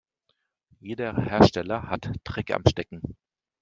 Jeder Hersteller hat Dreck am Stecken.